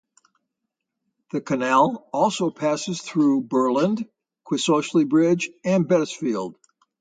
The canal also passes though Burland, Quoisley Bridge, and Bettisfield.